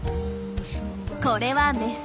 これはメス。